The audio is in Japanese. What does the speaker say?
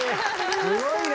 すごいね！